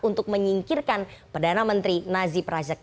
untuk menyingkirkan perdana menteri nazib razak